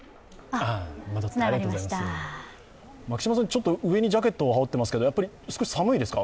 ちょっと上にジャケットを羽織っていますけど、少し寒いですか？